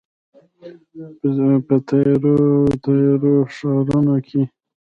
په تیارو، تیارو ښارونو کې